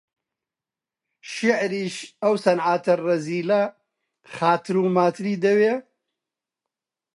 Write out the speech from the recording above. شیعریش، ئەو سنعاتە ڕەزیلە خاتر و ماتری دەوێ؟